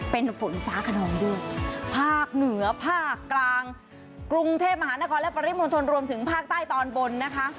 เป็นฝนฟ้าขนองด้วยภาคเหนือภาคกลางกรุงเทพมหานครและปริมณฑลรวมถึงภาคใต้ตอนบนนะคะ